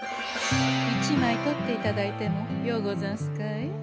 一枚とっていただいてもようござんすかえ？